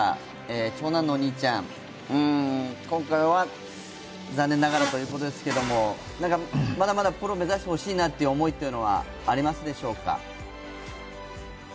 長男のお兄ちゃん、今回は残念ながらということですけどもまだまだプロ目指してほしいなという思いはありますでしょうか？